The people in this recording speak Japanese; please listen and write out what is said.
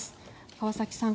川崎さん